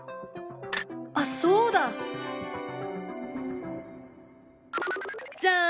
あっそうだ！じゃん！